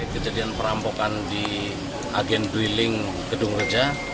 kejadian perampokan di agen drilling gedung reja